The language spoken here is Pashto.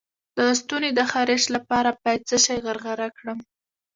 د ستوني د خارش لپاره باید څه شی غرغره کړم؟